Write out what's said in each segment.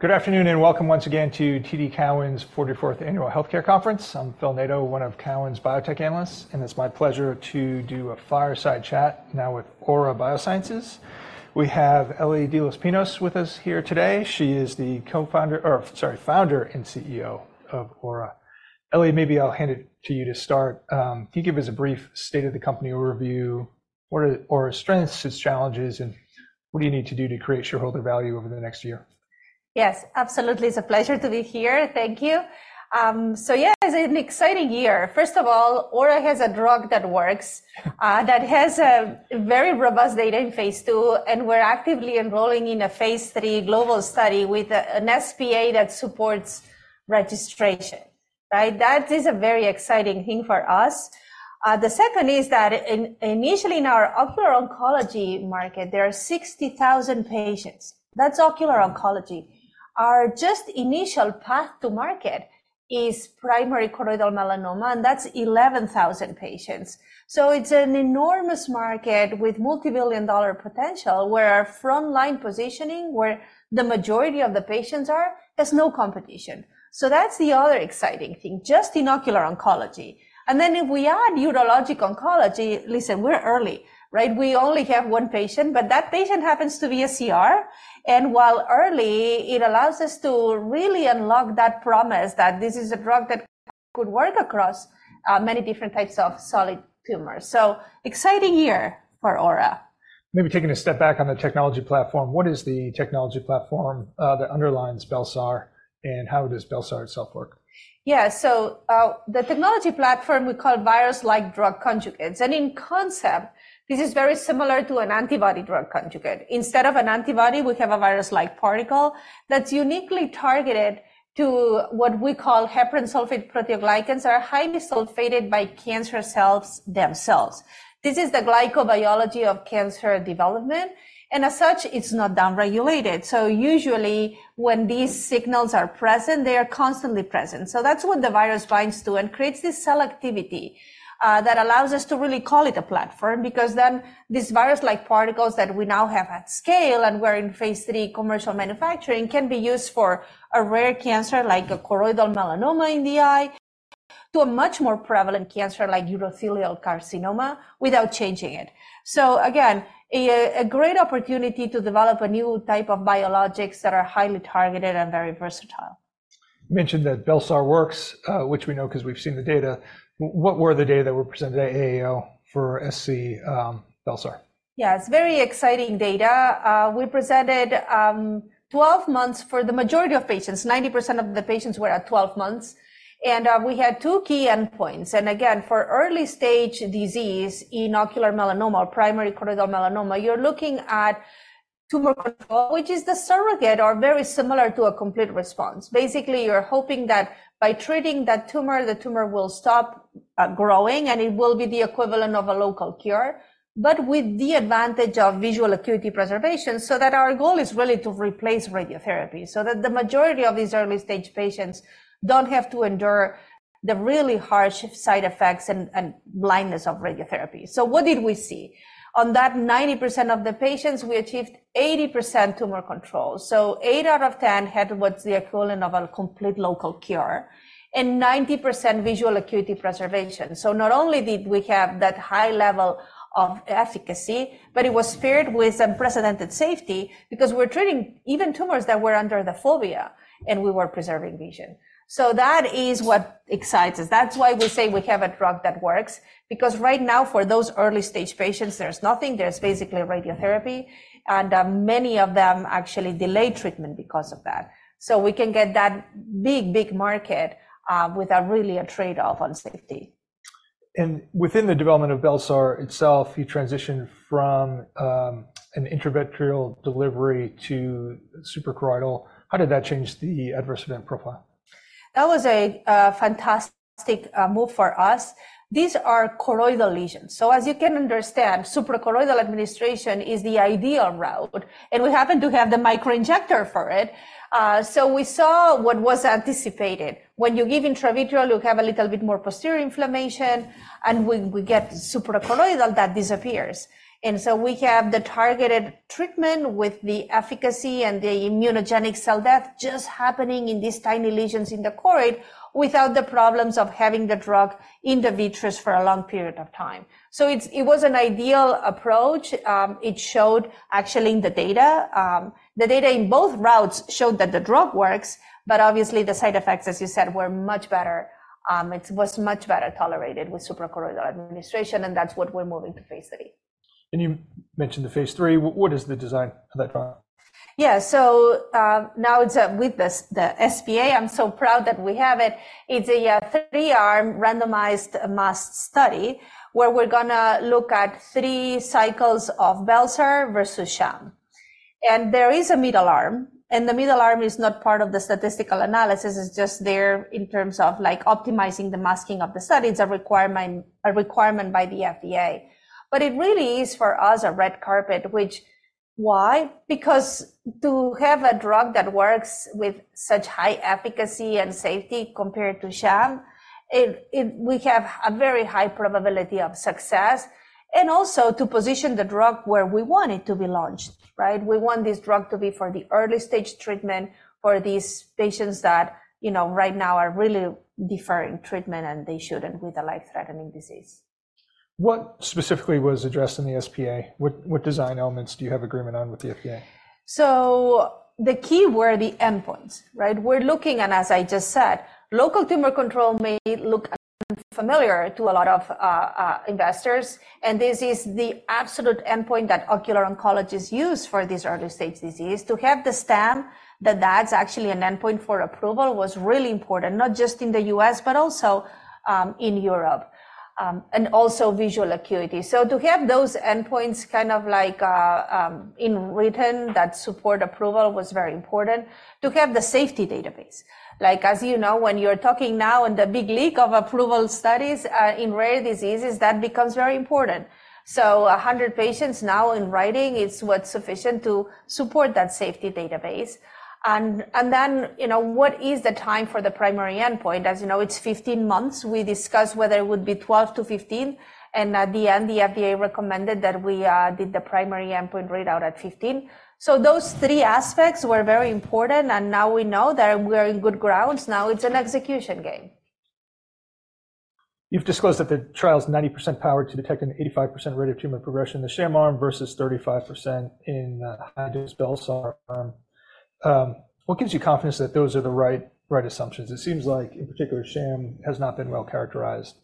Good afternoon, and welcome once again to TD Cowen's 44th Annual Healthcare Conference. I'm Phil Nadeau, one of Cowen's biotech analysts, and it's my pleasure to do a fireside chat now with Aura Biosciences. We have Eli de los Pinos with us here today. She is the co-founder, or sorry, founder and CEO of Aura. Eli, maybe I'll hand it to you to start. Can you give us a brief state of the company overview, what are Aura's strengths, its challenges, and what do you need to do to create shareholder value over the next year? Yes, absolutely. It's a pleasure to be here. Thank you. So yeah, it's an exciting year. First of all, Aura has a drug that works, that has a very robust data in phase II, and we're actively enrolling in a phase III global study with an SPA that supports registration, right? That is a very exciting thing for us. The second is that initially in our ocular oncology market, there are 60,000 patients. That's ocular oncology. Our just initial path to market is primary choroidal melanoma, and that's 11,000 patients. So it's an enormous market with multi-billion dollar potential, where our frontline positioning, where the majority of the patients are, there's no competition. So that's the other exciting thing, just in ocular oncology. And then if we add urologic oncology, listen, we're early, right? We only have one patient, but that patient happens to be a CR. While early, it allows us to really unlock that promise that this is a drug that could work across many different types of solid tumors. So exciting year for Aura. Maybe taking a step back on the technology platform, what is the technology platform that underlines bel-sar, and how does bel-sar itself work? Yeah. So, the technology platform we call virus-like drug conjugates. And in concept, this is very similar to an antibody drug conjugate. Instead of an antibody, we have a virus-like particle that's uniquely targeted to what we call heparan sulfate proteoglycans, are highly sulfated by cancer cells themselves. This is the glycobiology of cancer development, and as such, it's not downregulated. So usually, when these signals are present, they are constantly present. So that's what the virus binds to and creates this cell activity, that allows us to really call it a platform, because then these virus-like particles that we now have at scale, and we're in phase 3 commercial manufacturing, can be used for a rare cancer like a choroidal melanoma in the eye, to a much more prevalent cancer like urothelial carcinoma without changing it. So again, a great opportunity to develop a new type of biologics that are highly targeted and very versatile. You mentioned that bel-sar works, which we know 'cause we've seen the data. What were the data that were presented at AAO for SC, bel-sar? Yeah, it's very exciting data. We presented 12 months for the majority of patients. 90% of the patients were at 12 months, and we had two key endpoints. Again, for early-stage disease in ocular melanoma or primary choroidal melanoma, you're looking at tumor control, which is the surrogate or very similar to a complete response. Basically, you're hoping that by treating that tumor, the tumor will stop growing, and it will be the equivalent of a local cure, but with the advantage of visual acuity preservation, so that our goal is really to replace radiotherapy. So that the majority of these early-stage patients don't have to endure the really harsh side effects and blindness of radiotherapy. So what did we see? On that 90% of the patients, we achieved 80% tumor control. So 8 out of 10 had what's the equivalent of a complete local cure, and 90% visual acuity preservation. So not only did we have that high level of efficacy, but it was paired with unprecedented safety because we're treating even tumors that were under the fovea, and we were preserving vision. So that is what excites us. That's why we say we have a drug that works, because right now, for those early-stage patients, there's nothing. There's basically radiotherapy, and many of them actually delay treatment because of that. So we can get that big, big market without really a trade-off on safety. Within the development of bel-sar itself, you transitioned from an intravitreal delivery to suprachoroidal. How did that change the adverse event profile? That was a fantastic move for us. These are choroidal lesions, so as you can understand, suprachoroidal administration is the ideal route, and we happen to have the microinjector for it. So we saw what was anticipated. When you give intravitreal, you have a little bit more posterior inflammation, and when we get suprachoroidal, that disappears. And so we have the targeted treatment with the efficacy and the immunogenic cell death just happening in these tiny lesions in the choroid, without the problems of having the drug in the vitreous for a long period of time. So it was an ideal approach. It showed actually in the data, the data in both routes showed that the drug works, but obviously, the side effects, as you said, were much better. It was much better tolerated with suprachoroidal administration, and that's what we're moving to phase III. You mentioned the Phase III. What is the design of that trial? Yeah. So, now it's with the SPA, I'm so proud that we have it. It's a three-arm randomized masked study, where we're going to look at three cycles of bel-sar versus sham. And there is a middle arm, and the middle arm is not part of the statistical analysis. It's just there in terms of, like, optimizing the masking of the study. It's a requirement, a requirement by the FDA. But it really is, for us, a red carpet, which... Why? Because to have a drug that works with such high efficacy and safety compared to sham, it, it, we have a very high probability of success, and also to position the drug where we want it to be launched, right? We want this drug to be for the early-stage treatment for these patients that, you know, right now are really deferring treatment, and they shouldn't with a life-threatening disease. What specifically was addressed in the SPA? What design elements do you have agreement on with the FDA? So the key were the endpoints, right? We're looking at, as I just said, local tumor control may look familiar to a lot of investors, and this is the absolute endpoint that ocular oncologists use for this early-stage disease. To have the stamp that that's actually an endpoint for approval was really important, not just in the U.S., but also in Europe. And also visual acuity. So to have those endpoints kind of like in written that support approval was very important. To have the safety database, like, as you know, when you're talking now in the big league of approval studies in rare diseases, that becomes very important. So 100 patients now in writing is what's sufficient to support that safety database, and, and then, you know, what is the time for the primary endpoint? As you know, it's 15 months. We discussed whether it would be 12-15, and at the end, the FDA recommended that we did the primary endpoint readout at 15. So those three aspects were very important, and now we know that we're in good grounds. Now it's an execution game. You've disclosed that the trial's 90% powered to detect an 85% rate of tumor progression in the sham arm versus 35% in high-dose bel-sar arm. What gives you confidence that those are the right, right assumptions? It seems like, in particular, sham has not been well characterized.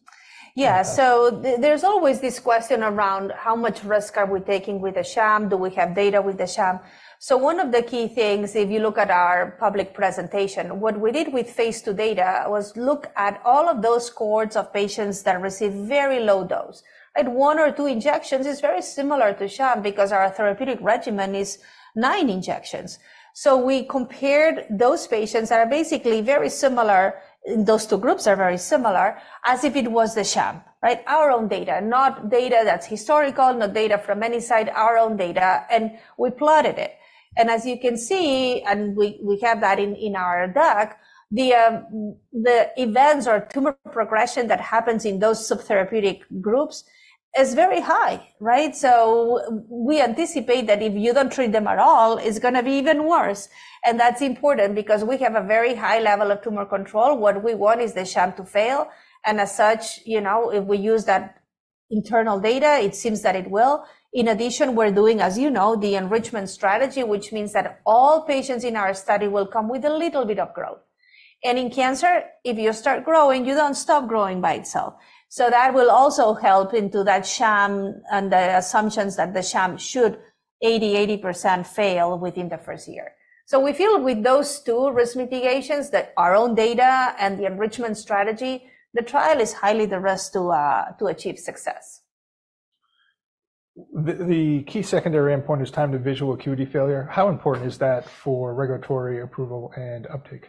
Yeah. So there's always this question around: How much risk are we taking with the sham? Do we have data with the sham? So one of the key things, if you look at our public presentation, what we did with phase II data was look at all of those cohorts of patients that received very low dose. At one or two injections, it's very similar to sham because our therapeutic regimen is nine injections. So we compared those patients that are basically very similar... those two groups are very similar, as if it was the sham, right? Our own data, not data that's historical, not data from any side, our own data, and we plotted it. And as you can see, and we have that in our deck, the events or tumor progression that happens in those subtherapeutic groups is very high, right? So we anticipate that if you don't treat them at all, it's gonna be even worse, and that's important because we have a very high level of tumor control. What we want is the sham to fail, and as such, you know, if we use that internal data, it seems that it will. In addition, we're doing, as you know, the enrichment strategy, which means that all patients in our study will come with a little bit of growth. And in cancer, if you start growing, you don't stop growing by itself. So that will also help into that sham and the assumptions that the sham should 80%-80% fail within the first year. So we feel with those two risk mitigations, that our own data and the enrichment strategy, the trial is highly de-risked to achieve success. The key secondary endpoint is time to visual acuity failure. How important is that for regulatory approval and uptake?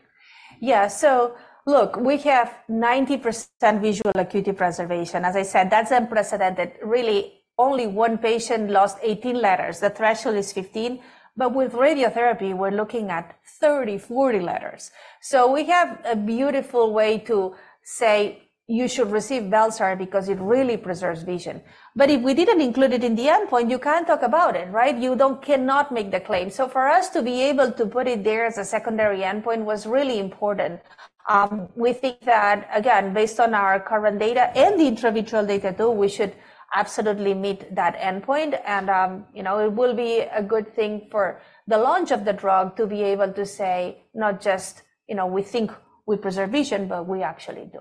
Yeah, so look, we have 90% visual acuity preservation. As I said, that's unprecedented. Really, only one patient lost 18 letters. The threshold is 15, but with radiotherapy, we're looking at 30, 40 letters. So we have a beautiful way to say you should receive bel-sar because it really preserves vision. But if we didn't include it in the endpoint, you can't talk about it, right? You cannot make the claim. So for us to be able to put it there as a secondary endpoint was really important. We think that, again, based on our current data and the intravitreal data too, we should absolutely meet that endpoint, and, you know, it will be a good thing for the launch of the drug to be able to say not just, you know, we think we preserve vision, but we actually do.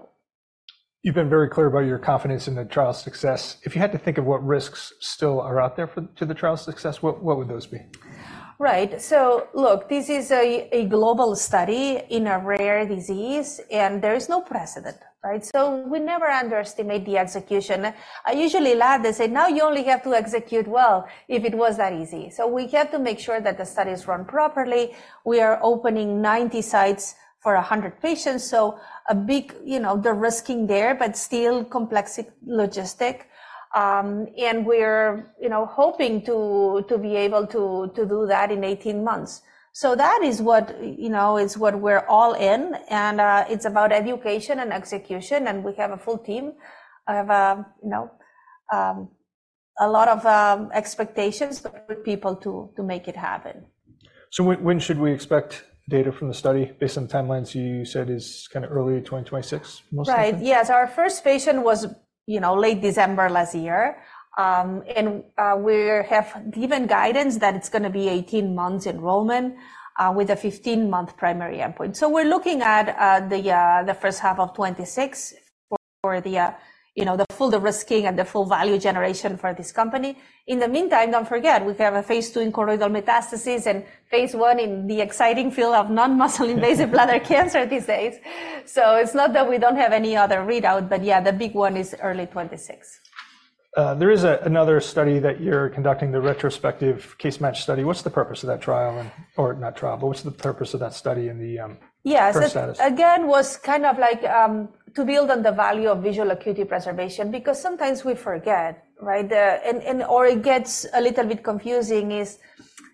You've been very clear about your confidence in the trial's success. If you had to think of what risks still are out there for to the trial's success, what would those be? Right. So look, this is a global study in a rare disease, and there is no precedent, right? So we never underestimate the execution. I usually laugh and say, "Now you only have to execute well," if it was that easy. So we have to make sure that the study is run properly. We are opening 90 sites for 100 patients, so a big you know, de-risking there, but still complex logistics. And we're, you know, hoping to be able to do that in 18 months. So that is what, you know, is what we're all in, and it's about education and execution, and we have a full team. I have, you know, a lot of expectations for people to make it happen. So when should we expect data from the study? Based on the timelines, you said it's kinda early 2026, mostly. Right. Yes, our first patient was, you know, late December last year. And we have given guidance that it's gonna be 18 months enrollment, with a 15-month primary endpoint. So we're looking at the first half of 2026 for the, you know, the full de-risking and the full value generation for this company. In the meantime, don't forget, we have a phase II in choroidal metastases and phase I in the exciting field of non-muscle invasive bladder cancer these days. So it's not that we don't have any other readout, but yeah, the big one is early 2026. There is another study that you're conducting, the retrospective case-match study. What's the purpose of that trial? Or not trial, but what's the purpose of that study and the current status? Yes. Again, was kind of like, to build on the value of visual acuity preservation, because sometimes we forget, right? The... And, and or it gets a little bit confusing is,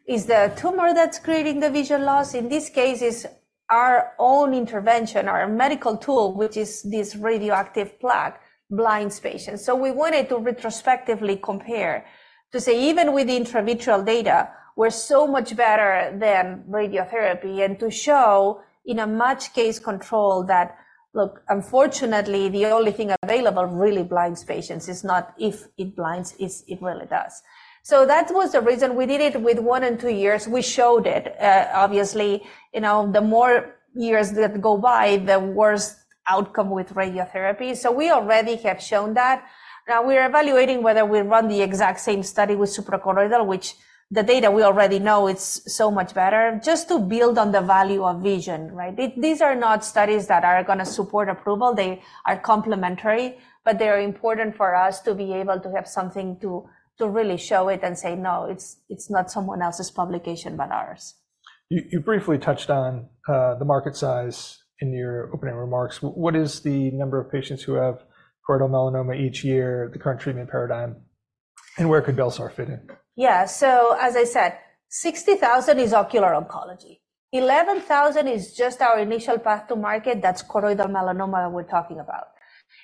is the tumor that's creating the vision loss? In these cases, our own intervention, our medical tool, which is this radioactive plaque, blinds patients. So we wanted to retrospectively compare, to say even with intravitreal data, we're so much better than radiotherapy, and to show in a much case control that, look, unfortunately, the only thing available really blinds patients. It's not if it blinds, it, it really does. So that was the reason we did it with 1 and 2 years. We showed it, obviously, you know, the more years that go by, the worse outcome with radiotherapy. So we already have shown that. Now we're evaluating whether we run the exact same study with suprachoroidal, which the data we already know it's so much better, just to build on the value of vision, right? These are not studies that are gonna support approval. They are complementary, but they are important for us to be able to have something to, to really show it and say, "No, it's, it's not someone else's publication, but ours. You briefly touched on the market size in your opening remarks. What is the number of patients who have choroidal melanoma each year, the current treatment paradigm, and where could bel-sar fit in? Yeah. So as I said, 60,000 is ocular oncology. 11,000 is just our initial path to market, that's choroidal melanoma we're talking about.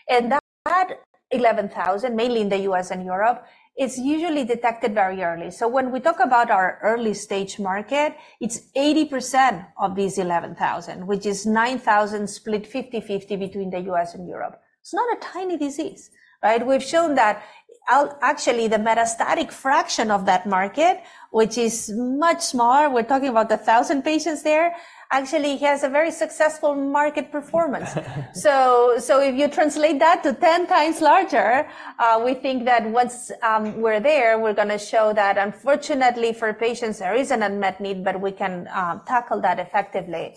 And that 11,000, mainly in the US and Europe, is usually detected very early. So when we talk about our early-stage market, it's 80% of these 11,000, which is 9,000 split 50/50 between the US and Europe. It's not a tiny disease, right? We've shown that out, actually, the metastatic fraction of that market, which is much smaller, we're talking about 1,000 patients there, actually has a very successful market performance. So, so if you translate that to 10 times larger, we think that once we're there, we're gonna show that unfortunately for patients, there is an unmet need, but we can tackle that effectively.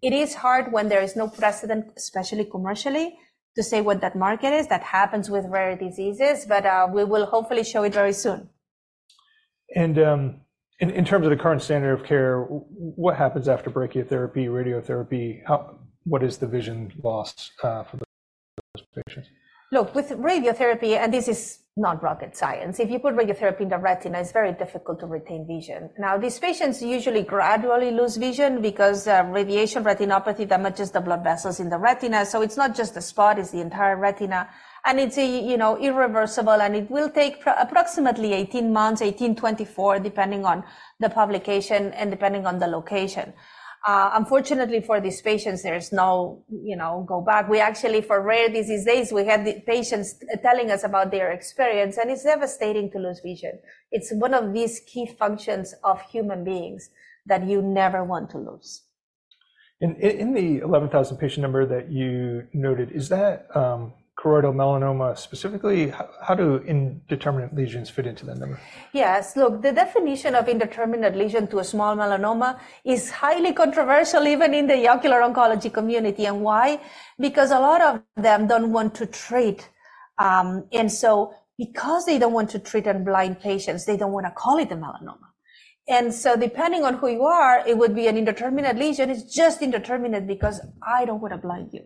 It is hard when there is no precedent, especially commercially, to say what that market is. That happens with rare diseases, but, we will hopefully show it very soon. In terms of the current standard of care, what happens after brachytherapy, radiotherapy? What is the vision lost for the patients? Look, with radiotherapy, and this is not rocket science, if you put radiotherapy in the retina, it's very difficult to retain vision. Now, these patients usually gradually lose vision because radiation retinopathy damages the blood vessels in the retina. So it's not just a spot, it's the entire retina, and it's a, you know, irreversible, and it will take approximately 18-24 months, depending on the publication and depending on the location. Unfortunately, for these patients, there's no, you know, go back. We actually for Rare Disease Days, we had the patients telling us about their experience, and it's devastating to lose vision. It's one of these key functions of human beings that you never want to lose. In the 11,000 patient number that you noted, is that choroidal melanoma, specifically? How do indeterminate lesions fit into that number? Yes. Look, the definition of indeterminate lesion to a small melanoma is highly controversial even in the ocular oncology community. And why? Because a lot of them don't want to treat. And so because they don't want to treat and blind patients, they don't want to call it a melanoma. And so depending on who you are, it would be an indeterminate lesion; it's just indeterminate because I don't want to blind you.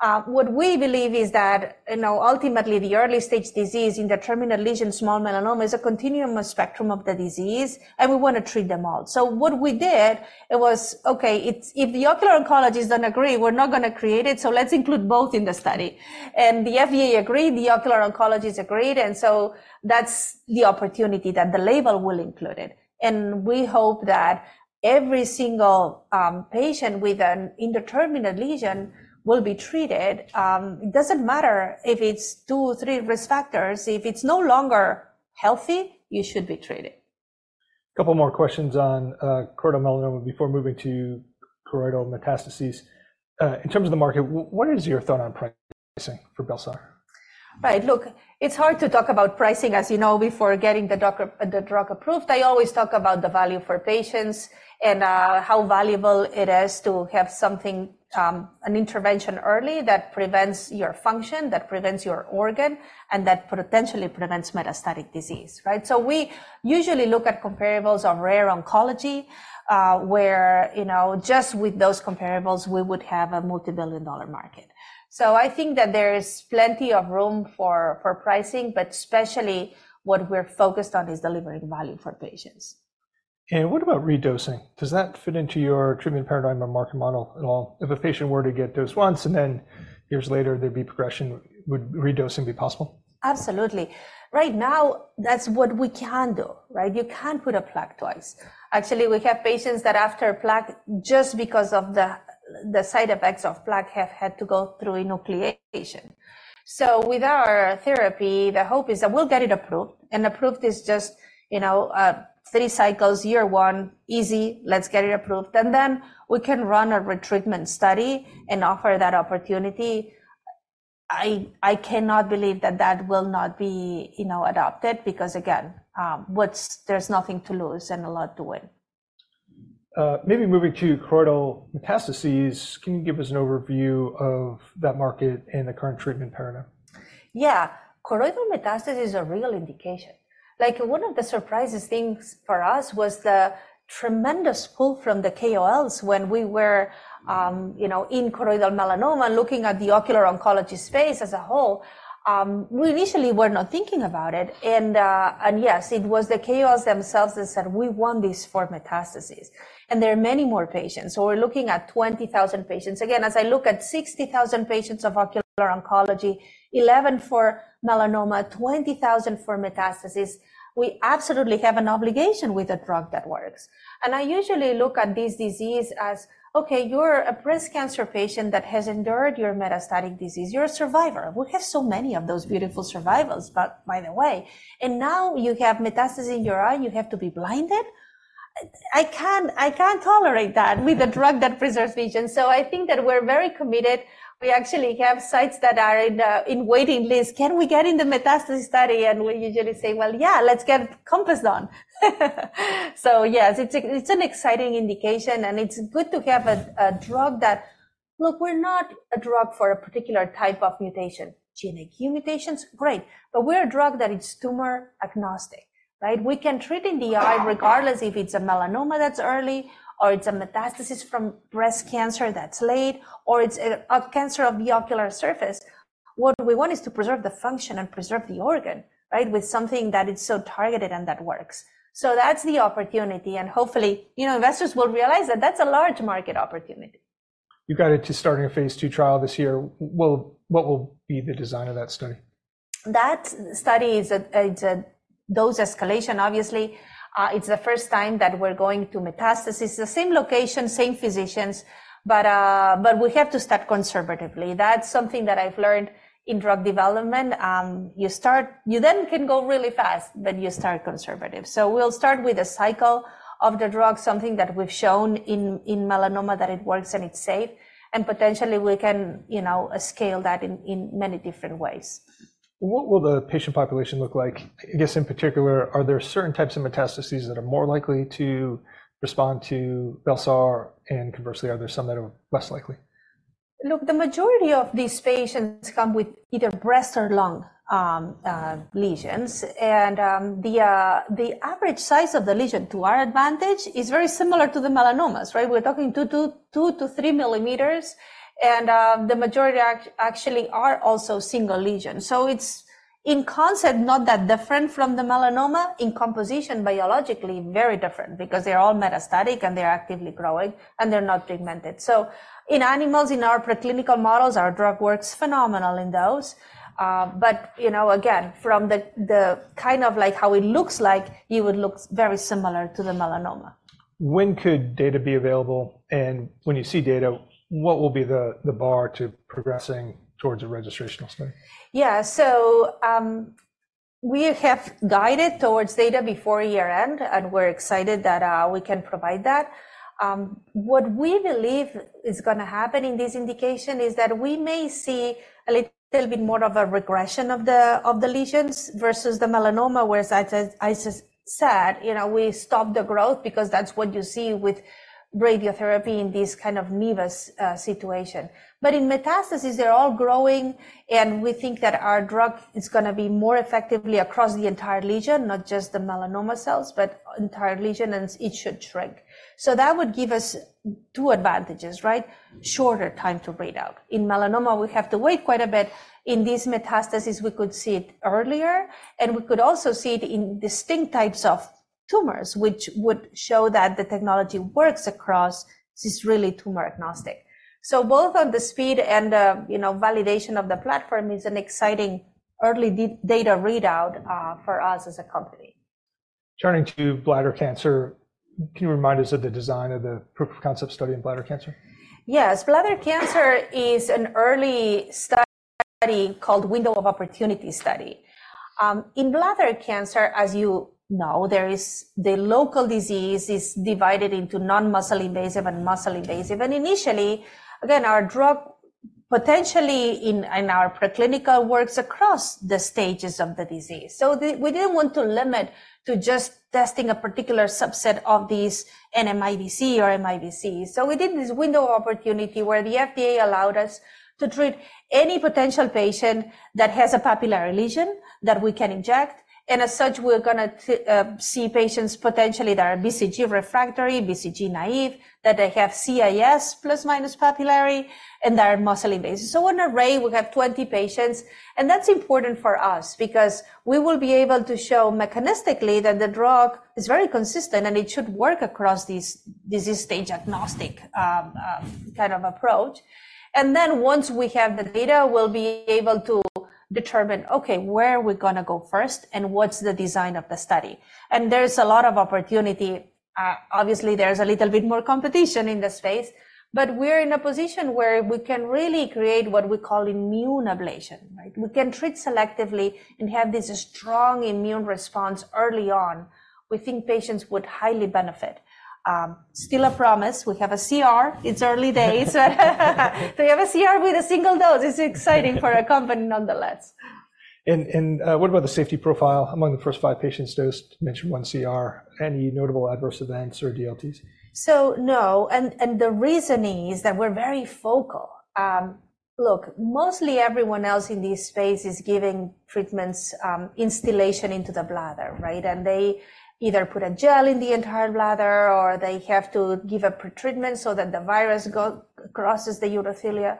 What we believe is that, you know, ultimately, the early-stage disease, indeterminate lesion, small melanoma, is a continuum, a spectrum of the disease, and we want to treat them all. So what we did was, okay, if the ocular oncologist don't agree, we're not gonna create it, so let's include both in the study. And the FDA agreed, the ocular oncologist agreed, and so that's the opportunity that the label will include it. We hope that every single patient with an indeterminate lesion will be treated. It doesn't matter if it's two or three risk factors. If it's no longer healthy, you should be treated. A couple more questions on choroidal melanoma before moving to choroidal metastases. In terms of the market, what is your thought on pricing for bel-sar? Right. Look, it's hard to talk about pricing, as you know, before getting the drug approved. I always talk about the value for patients and how valuable it is to have something, an intervention early that prevents your function, that prevents your organ, and that potentially prevents metastatic disease, right? So we usually look at comparables of rare oncology, where, you know, just with those comparables, we would have a multi-billion dollar market. So I think that there is plenty of room for pricing, but especially what we're focused on is delivering value for patients. What about redosing? Does that fit into your treatment paradigm or market model at all? If a patient were to get dosed once and then years later there'd be progression, would redosing be possible? Absolutely. Right now, that's what we can do, right? You can't put a plaque twice. Actually, we have patients that after a plaque, just because of the side effects of plaque, have had to go through enucleation. So with our therapy, the hope is that we'll get it approved, and approved is just, you know, three cycles, year one, easy, let's get it approved. And then we can run a retreatment study and offer that opportunity. I cannot believe that that will not be, you know, adopted, because again, what's, there's nothing to lose and a lot to win. Maybe moving to choroidal metastases, can you give us an overview of that market and the current treatment paradigm?... Yeah, choroidal metastasis is a real indication. Like, one of the surprises things for us was the tremendous pull from the KOLs when we were, you know, in choroidal melanoma, looking at the ocular oncology space as a whole. We initially were not thinking about it, and yes, it was the KOLs themselves that said, "We want this for metastasis." And there are many more patients, so we're looking at 20,000 patients. Again, as I look at 60,000 patients of ocular oncology, 11 for melanoma, 20,000 for metastasis, we absolutely have an obligation with a drug that works. And I usually look at this disease as, okay, you're a breast cancer patient that has endured your metastatic disease. You're a survivor. We have so many of those beautiful survivals, but by the way, and now you have metastasis in your eye, and you have to be blinded? I can't, I can't tolerate that with a drug that preserves vision. So I think that we're very committed. We actually have sites that are in, in waiting list. "Can we get in the metastasis study?" And we usually say, "Well, yeah, let's get CoMpass on." So yes, it's a, it's an exciting indication, and it's good to have a, a drug that... Look, we're not a drug for a particular type of mutation. Genetic mutations, great, but we're a drug that is tumor agnostic, right? We can treat in the eye regardless if it's a melanoma that's early, or it's a metastasis from breast cancer that's late, or it's a, a cancer of the ocular surface. What we want is to preserve the function and preserve the organ, right? With something that is so targeted and that works. So that's the opportunity, and hopefully, you know, investors will realize that that's a large market opportunity. You got it to starting a phase two trial this year. What will be the design of that study? That study is a dose escalation, obviously. It's the first time that we're going to metastasis. The same location, same physicians, but we have to start conservatively. That's something that I've learned in drug development. You start conservative. You then can go really fast, but you start conservative. So we'll start with a cycle of the drug, something that we've shown in melanoma that it works and it's safe, and potentially we can, you know, scale that in many different ways. What will the patient population look like? I guess in particular, are there certain types of metastases that are more likely to respond to bel-sar, and conversely, are there some that are less likely? Look, the majority of these patients come with either breast or lung lesions. The average size of the lesion, to our advantage, is very similar to the melanomas, right? We're talking 2-3 millimeters, and the majority actually are also single lesions. So it's, in concept, not that different from the melanoma. In composition, biologically, very different because they're all metastatic, and they're actively growing, and they're not pigmented. So in animals, in our preclinical models, our drug works phenomenal in those. But, you know, again, from the kind of like how it looks like, it would look very similar to the melanoma. When could data be available? When you see data, what will be the bar to progressing towards a registrational study? Yeah. So, we have guided towards data before year-end, and we're excited that we can provide that. What we believe is going to happen in this indication is that we may see a little bit more of a regression of the lesions versus the melanoma, whereas I just said, you know, we stop the growth because that's what you see with radiotherapy in this kind of nevus situation. But in metastasis, they're all growing, and we think that our drug is going to be more effectively across the entire lesion, not just the melanoma cells, but entire lesion, and it should shrink. So that would give us two advantages, right? Shorter time to read out. In melanoma, we have to wait quite a bit. In this metastasis, we could see it earlier, and we could also see it in distinct types of tumors, which would show that the technology works across, this is really tumor agnostic. So both on the speed and the, you know, validation of the platform is an exciting early data readout, for us as a company. Turning to bladder cancer, can you remind us of the design of the proof of concept study in bladder cancer? Yes, bladder cancer is an early study called Window of Opportunity Study. In bladder cancer, as you know, there is the local disease is divided into non-muscle invasive and muscle invasive. Initially, again, our drug potentially in, in our preclinical works across the stages of the disease. So we didn't want to limit to just testing a particular subset of these NMIBC or MIBC. So we did this Window of Opportunity where the FDA allowed us to treat any potential patient that has a papillary lesion that we can inject, and as such, we're going to see patients potentially that are BCG refractory, BCG naive, that they have CIS plus, minus papillary, and they are muscle invasive. So, Aura, we have 20 patients, and that's important for us because we will be able to show mechanistically that the drug is very consistent, and it should work across this disease stage-agnostic kind of approach. And then once we have the data, we'll be able to determine, okay, where are we going to go first, and what's the design of the study? And there's a lot of opportunity. Obviously, there's a little bit more competition in the space, but we're in a position where we can really create what we call immune ablation, right? We can treat selectively and have this strong immune response early on. We think patients would highly benefit. Still a promise. We have a CR. It's early days. We have a CR with a single dose. It's exciting for a company, nonetheless.... what about the safety profile among the first five patients dosed, mentioned one CR. Any notable adverse events or DLTs? So no, the reasoning is that we're very focal. Look, mostly everyone else in this space is giving treatments, instillation into the bladder, right? And they either put a gel in the entire bladder, or they have to give a pre-treatment so that the virus go, crosses the urothelium.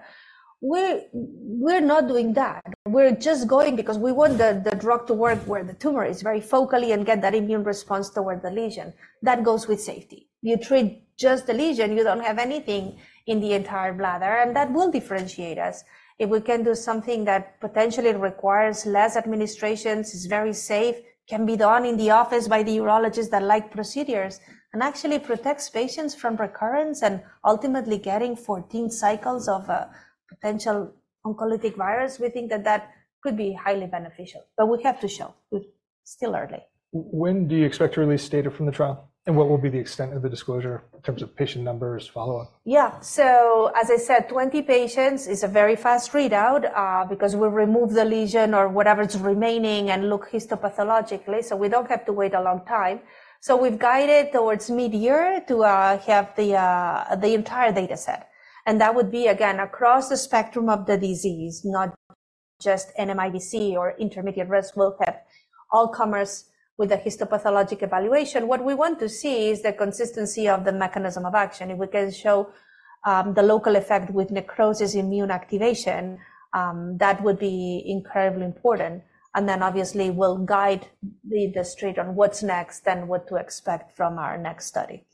We're not doing that. We're just going because we want the drug to work where the tumor is, very focally, and get that immune response toward the lesion. That goes with safety. You treat just the lesion, you don't have anything in the entire bladder, and that will differentiate us. If we can do something that potentially requires less administrations, is very safe, can be done in the office by the urologist that like procedures, and actually protects patients from recurrence, and ultimately getting 14 cycles of a potential oncolytic virus, we think that that could be highly beneficial, but we have to show. It's still early. When do you expect to release data from the trial? And what will be the extent of the disclosure in terms of patient numbers, follow-up? Yeah. So as I said, 20 patients is a very fast readout, because we remove the lesion or whatever is remaining and look histopathologically, so we don't have to wait a long time. So we've guided towards midyear to have the entire data set, and that would be, again, across the spectrum of the disease, not just NMIBC or intermediate-risk muscle, all comers with a histopathologic evaluation. What we want to see is the consistency of the mechanism of action. If we can show the local effect with necrosis immune activation, that would be incredibly important, and then, obviously, we'll guide the industry on what's next and what to expect from our next study.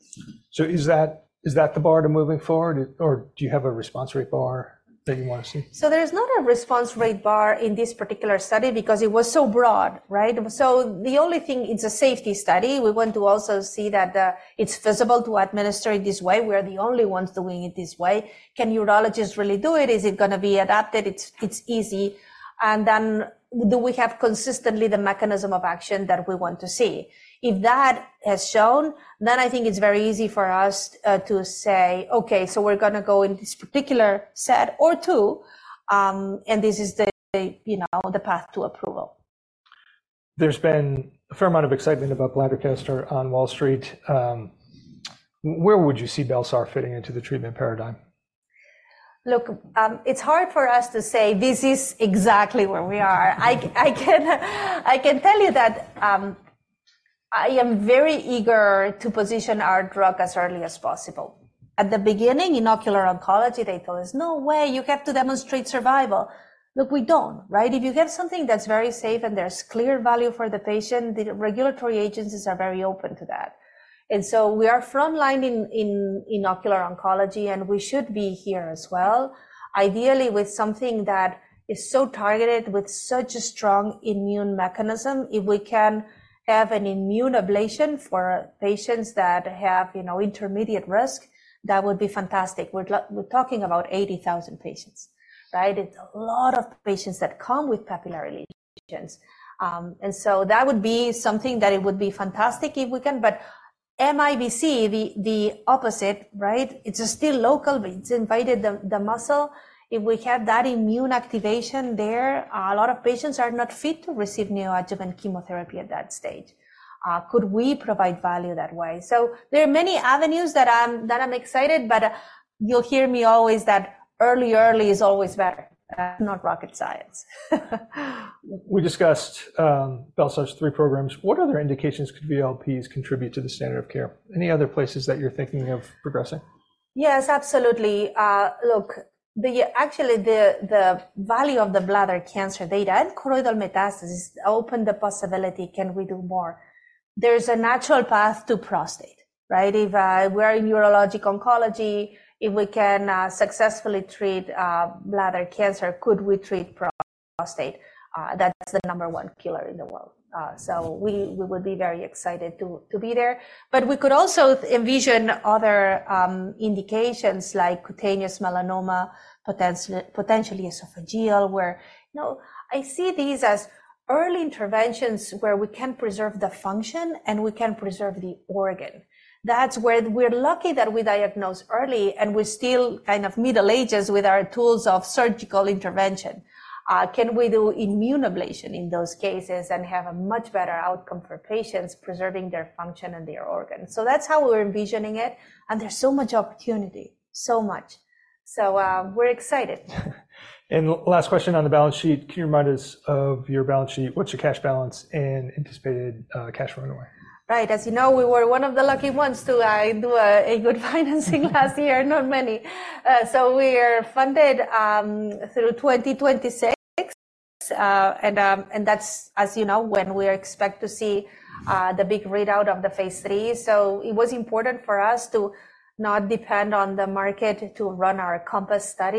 Is that, is that the bar to moving forward, or do you have a response rate bar that you want to see? So there's not a response rate bar in this particular study because it was so broad, right? So the only thing, it's a safety study. We want to also see that it's feasible to administer it this way. We're the only ones doing it this way. Can urologists really do it? Is it gonna be adapted? It's easy. And then do we have consistently the mechanism of action that we want to see? If that has shown, then I think it's very easy for us to say, "Okay, so we're gonna go in this particular set or two, and this is, you know, the path to approval. There's been a fair amount of excitement about bladder cancer on Wall Street. Where would you see bel-sar fitting into the treatment paradigm? Look, it's hard for us to say this is exactly where we are. I can tell you that I am very eager to position our drug as early as possible. At the beginning, in ocular oncology, they told us, "No way, you have to demonstrate survival." Look, we don't, right? If you have something that's very safe and there's clear value for the patient, the regulatory agencies are very open to that. And so we are frontline in ocular oncology, and we should be here as well. Ideally, with something that is so targeted with such a strong immune mechanism, if we can have an immune ablation for patients that have, you know, intermediate risk, that would be fantastic. We're talking about 80,000 patients, right? It's a lot of patients that come with papillary lesions. And so that would be something that it would be fantastic if we can, but MIBC, the opposite, right? It's still local, but it's invaded the muscle. If we have that immune activation there, a lot of patients are not fit to receive neoadjuvant chemotherapy at that stage. Could we provide value that way? So there are many avenues that I'm excited, but you'll hear me always that early, early is always better. Not rocket science. We discussed bel-sar's three programs. What other indications could VLPs contribute to the standard of care? Any other places that you're thinking of progressing? Yes, absolutely. Look, actually, the value of the bladder cancer data and choroidal metastasis open the possibility, can we do more? There's a natural path to prostate, right? If we're in urologic oncology, if we can successfully treat bladder cancer, could we treat prostate? That's the number one killer in the world. So we would be very excited to be there. But we could also envision other indications like cutaneous melanoma, potentially esophageal, where... You know, I see these as early interventions where we can preserve the function, and we can preserve the organ. That's where we're lucky that we diagnose early, and we're still kind of Middle Ages with our tools of surgical intervention. Can we do immune ablation in those cases and have a much better outcome for patients preserving their function and their organ? So that's how we're envisioning it, and there's so much opportunity, so much. So, we're excited. Last question on the balance sheet. Can you remind us of your balance sheet? What's your cash balance and anticipated cash run rate? Right. As you know, we were one of the lucky ones to do a good financing last year, not many. So we're funded through 2026, and that's, as you know, when we expect to see the big readout of the phase 3. So it was important for us to not depend on the market to run our CoMpass study.